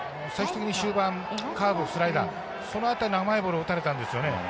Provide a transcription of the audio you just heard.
最終的に終盤カーブスライダーその辺りの甘いボールを打たれたんですよね。